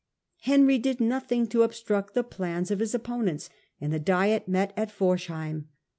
Henry did nothing to obstruct the plans of his opponents, and the diet met at Forcheim.